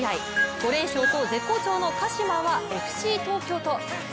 ５連勝と絶好調の鹿島はＦＣ東京と。